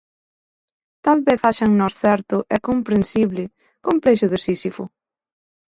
Talvez haxa en nós certo, e comprensible, complexo de Sísifo.